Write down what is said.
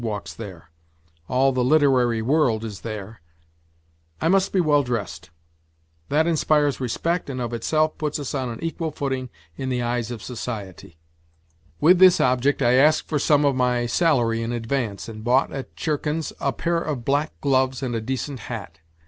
walks there; all the literary world is then ), I must be well dressed; that inspin s respect and of itself puts us on an equal footing in the eyes of society " NOTES FROM UNDERGROUND 91 With this object I asked for some of my salary in advance, and bought at Tchurkin's a pair of black gloves and a decent hat.